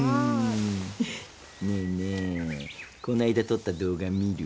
ねえねえこないだ撮った動画見る？